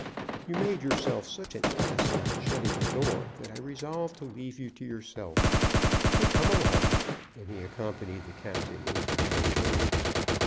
"You made yourself such an ass about shutting the door that I resolved to leave you to yourself. But come along." And he accompanied the captain into the other room.